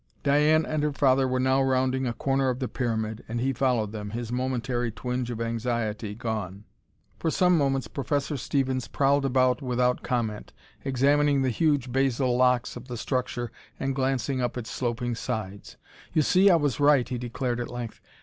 Diane and her father were now rounding a corner of the pyramid and he followed them, his momentary twinge of anxiety gone. For some moments, Professor Stevens prowled about without comment, examining the huge basal blocks of the structure and glancing up its sloping sides. "You see, I was right!" he declared at length.